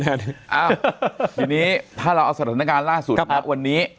อ้าวทีนี้ถ้าเราเอาสถานการณ์ล่าสุดวันนี้